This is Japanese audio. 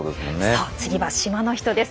そう次は島の人です。